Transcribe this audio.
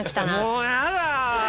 もうやだ！